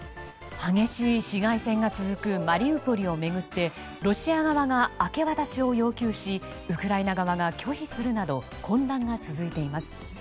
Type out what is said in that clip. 激しい市街戦が続くマリウポリを巡ってロシア側が明け渡しを要求しウクライナ側が拒否するなど混乱が続いています。